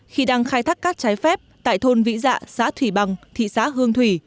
khi đang khai thác cát trái phép tại thôn vĩ dạ xã thủy bằng thị xã hương thủy